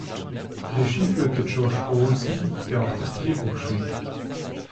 Regie führte Josh Olson, der auch das Drehbuch schrieb.